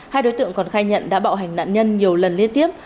hai đối tượng còn khai nhận đã bạo hành nạn nhân nhiều lần liên tiếp